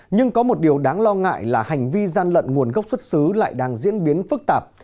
nhưng có một điều đáng lo ngại là hành vi gian lận nguồn gốc xuất xứ lại đang diễn biến phức tạp